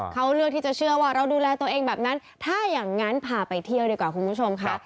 เขาเลือกที่จะเชื่อว่าเราดูแลตัวเองแบบนั้นถ้าอย่างนั้นพาไปเที่ยวดีกว่าคุณผู้ชมค่ะ